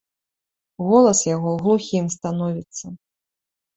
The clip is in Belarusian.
Голас яго глухім становіцца.